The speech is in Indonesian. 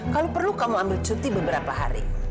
kalau perlu kamu ambil cuti beberapa hari